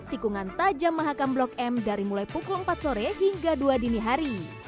tikungan tajam mahakam blok m dari mulai pukul empat sore hingga dua dini hari